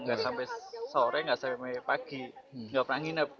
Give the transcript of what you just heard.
nggak sampai sore nggak sampai pagi nggak pernah nginep